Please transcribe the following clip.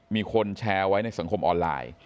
มีคนแชร์ไว้ในสังคมออนไลน์